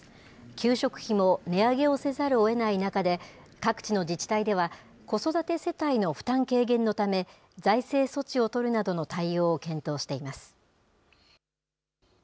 給食費を値上げをせざるをえない中で、各地の自治体では子育て世帯の負担軽減のため、財政措置をとるなどの対応を検討しています。